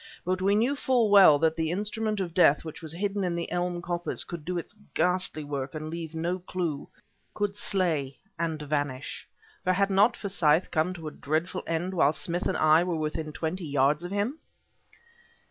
But we knew full well that the instrument of death which was hidden in the elm coppice could do its ghastly work and leave no clue, could slay and vanish. For had not Forsyth come to a dreadful end while Smith and I were within twenty yards of him?